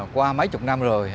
qua mấy chục năm rồi